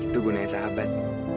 itu gunanya sahabat